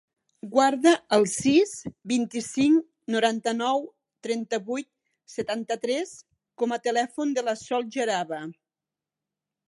Guarda el sis, vint-i-cinc, noranta-nou, trenta-vuit, setanta-tres com a telèfon de la Sol Jaraba.